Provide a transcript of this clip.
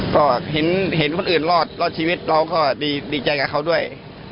ก็เห็นคนอื่นรอดรอดชีวิตเราก็ดีใจกับเขาด้วย